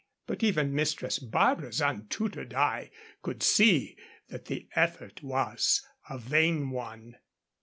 But even Mistress Barbara's untutored eye could see that the effort was a vain one.